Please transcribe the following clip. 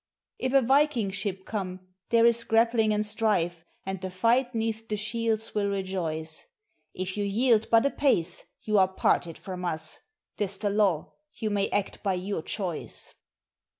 "If a viking ship come, there is grappling and strife, and the fight 'neath the shields will rejoice; If you yield but a pace you are parted from us; 'tis the law, you may act by your choice.